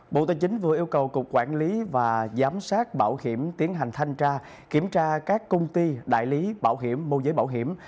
bộ tài chính vừa yêu cầu cục quản lý và giám sát bảo hiểm tiến hành thanh tra kiểm tra các công ty đại lý bảo hiểm mô giấy bảo hiểm